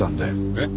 えっ？